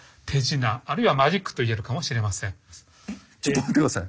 ちょっと待って下さい。